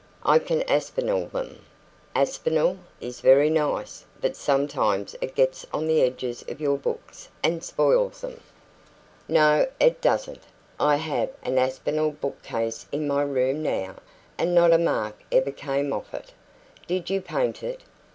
I can Aspinall them." "Aspinall is very nice, but sometimes it gets on the edges of your books and spoils them." "No, it doesn't. I have an Aspinalled book case in my room now, and not a mark ever came off it." "Did you paint it?"